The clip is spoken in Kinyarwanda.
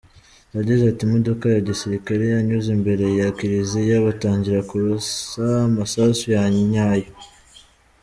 Yagize ati “Imodoka ya gisirikare yanyuze imbere ya Kiliziya, batangira kurasa amasasu ya nyayo.